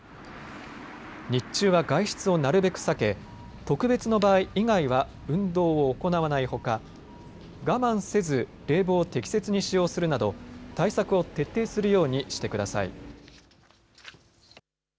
日中は外出をなるべく避け特別の場合以外は運動を行わないほか我慢せず冷房を適切に使用するなど対策を徹底するようにしてください。